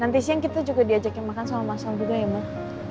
nanti siang kita juga diajaknya makan sama masal juga ya mbak